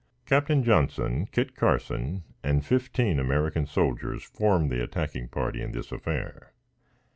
Captain Johnson, Kit Carson and fifteen American soldiers formed the attacking party in this affair.